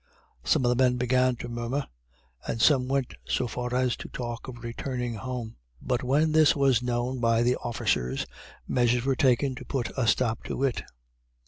Some of the men began to murmer and some went so far as to talk of returning home but when this was known by the officers, measures were taken to put a stop to it.